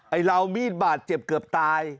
ไอ้ลาวมีดบาดเจ็บเกือบตาย